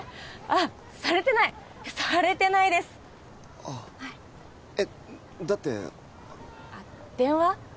あっされてないされてないですあっえっだってあっ電話？